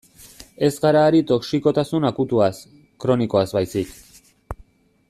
Ez gara ari toxikotasun akutuaz, kronikoaz baizik.